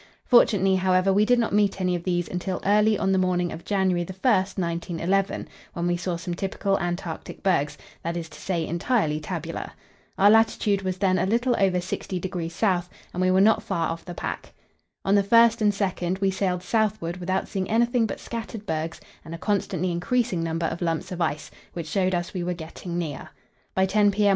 Fortunately, however, we did not meet any of these until early on the morning of January 1, 1911, when we saw some typical Antarctic bergs; that is to say, entirely tabular. Our latitude was then a little over 60° S., and we were not far off the pack. On the 1st and 2nd we sailed southward without seeing anything but scattered bergs and a constantly increasing number of lumps of ice, which showed us we were getting near. By 10 p.m.